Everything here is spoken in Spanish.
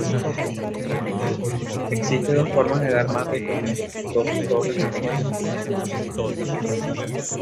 Existe dos formas de dar mate con dos torres y rey contra rey.